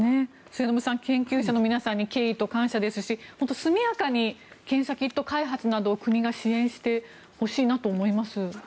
末延さん、研究者の皆さんに敬意と感謝ですし本当に速やかに検査キット開発などを国が支援してほしいなと思います。